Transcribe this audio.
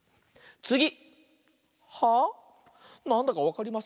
つぎ！